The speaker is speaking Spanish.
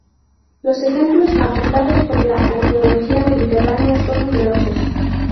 Los ejemplos aportados por la arqueología mediterránea son numerosos.